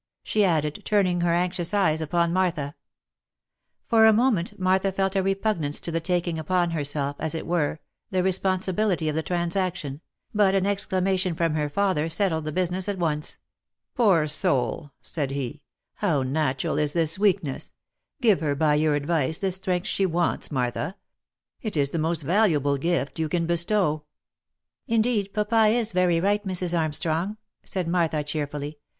she added, turning her anxious eyes upon Martha. For a moment Martha felt a repugnance to the taking upon herself, as it were, the responsibility of the transaction, but an exclamation from her father settled the business at once. " Poor soul !" said he. " How natural is this weakness ! Give her, by your advice, the strength she wants, Martha — it is the most valuable gift you can bestow !"" Indeed papa is very right, Mrs. Armstrong," said Martha cheer M 162 THE LIFE AND ADVENTURES fully.